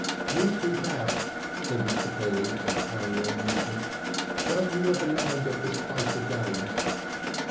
"You keep out," said Mr. Polly in parallel movement. "Don't you ever land on this place again!..."